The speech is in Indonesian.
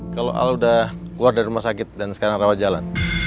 kalau al sudah keluar dari rumah sakit dan sekarang rawat jalan